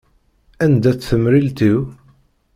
Anda-tt temrilt-iw?